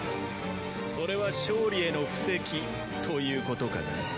それは勝利への布石ということかな？